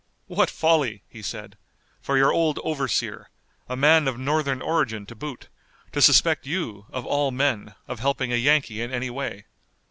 "What folly," he said, "for your old overseer, a man of Northern origin to boot, to suspect you, of all men, of helping a Yankee in any way.